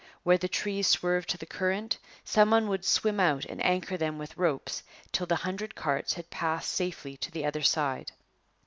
Where the trees swerved to the current, some one would swim out and anchor them with ropes till the hundred carts had passed safely to the other side.